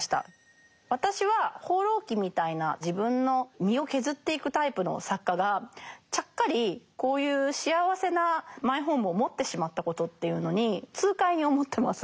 私は「放浪記」みたいな自分の身を削っていくタイプの作家がちゃっかりこういう幸せなマイホームを持ってしまったことっていうのに痛快に思ってます。